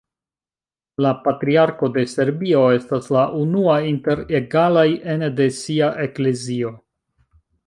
La Patriarko de Serbio estas la unua inter egalaj ene de sia eklezio.